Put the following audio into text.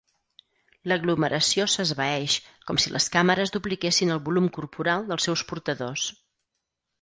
L'aglomeració s'esvaeix, com si les càmeres dupliquessin el volum corporal dels seus portadors.